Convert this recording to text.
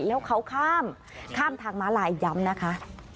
แล้วเขาข้ามข้ามทางม้าลายย้ำนะคะ